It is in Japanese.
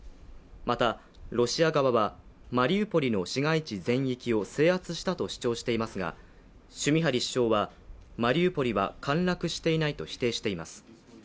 また、ロシア側はマリウポリの市街地全域を制圧したと主張していますがシュミハリ首相はマリウポリは陥落していないと否定しています。